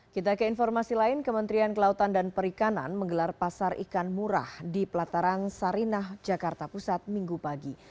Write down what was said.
kita ke informasi lain kementerian kelautan dan perikanan menggelar pasar ikan murah di pelataran sarinah jakarta pusat minggu pagi